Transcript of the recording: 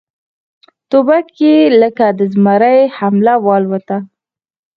توپ یې لکه د زمري حمله والوته